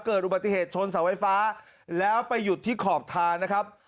เกิดอุบัติเหตุชนเสาไฟฟ้าแล้วไปหยุดที่ขอบทางนะครับ